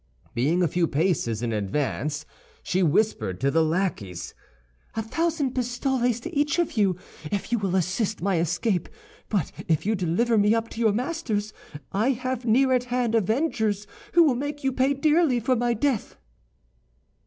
Being a few paces in advance she whispered to the lackeys, "A thousand pistoles to each of you, if you will assist my escape; but if you deliver me up to your masters, I have near at hand avengers who will make you pay dearly for my death."